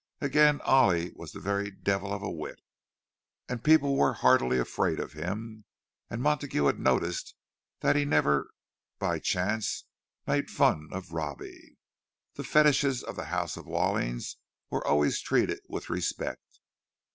Again, Ollie was the very devil of a wit, and people were heartily afraid of him; and Montague had noticed that he never by any chance made fun of Robbie—that the fetiches of the house of Walling were always treated with respect.